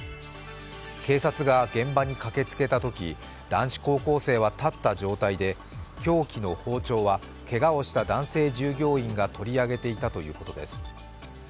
警察が現場に駆けつけたとき男子高校生は立った状態で凶器の包丁は、けがをした男性従業員が取り上げていたということです。